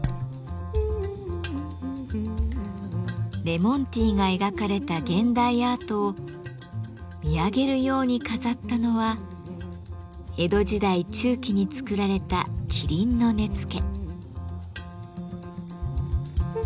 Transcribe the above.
レモンティーが描かれた現代アートを見上げるように飾ったのは江戸時代中期に作られた麒麟の根付。